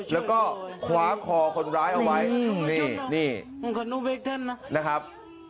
แล้วก็คว้าคอคนร้ายเอาไว้นี่นี่นะครับ